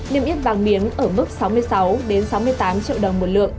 niêm yết vàng miếng ở mức sáu mươi sáu sáu mươi tám triệu đồng một lượng